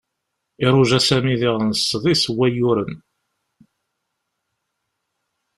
Iruja Sami diɣen sḍis n wayyuren.